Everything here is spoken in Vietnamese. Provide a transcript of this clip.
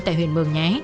tại huyện mường nhé